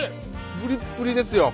プリップリですよ